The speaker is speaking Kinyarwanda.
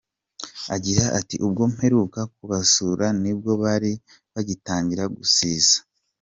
Agira ati “Ubwo mperuka kubasura ni bwo bari bagitangira gusiza.